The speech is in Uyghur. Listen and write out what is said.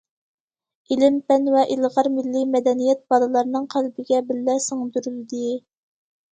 ئىلىم- پەن ۋە ئىلغار مىللىي مەدەنىيەت بالىلارنىڭ قەلبىگە بىللە سىڭدۈرۈلدى.